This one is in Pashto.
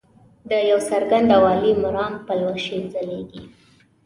د یو څرګند او عالي مرام پلوشې ځلیږي.